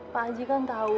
pak haji kan tahu